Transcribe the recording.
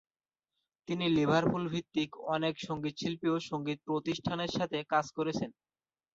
তিনি লিভারপুল-ভিত্তিক অনেক সঙ্গীতশিল্পী ও সঙ্গীত-প্রতিষ্ঠানের সাথে কাজ করেছেন।